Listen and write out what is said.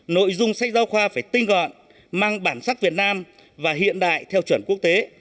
nội dung sách giáo khoa phải tinh gọn mang bản sắc việt nam và hiện đại theo chuẩn quốc tế